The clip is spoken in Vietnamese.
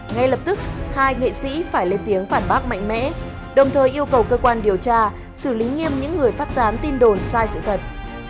ngay lập tức hai nghệ sĩ phải lên tiếng phản bác mạnh mẽ đồng thời yêu cầu cơ quan điều tra xử lý nghiêm những người phát tán tin đồn sai sự thật